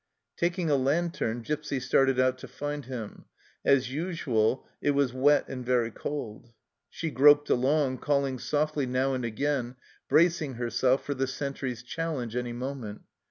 Taking a lantern, Gipsy started out to find him ; as usual, it was wet and very cold. She groped along, calling softly now and again, bracing herself for the sentry's challenge any moment.